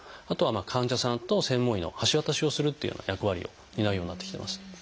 あとは患者さんと専門医の橋渡しをするというような役割を担うようになってきてます。